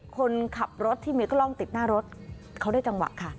คนขับรถที่มีกล้องติดหน้ารถเขาได้จังหวะค่ะ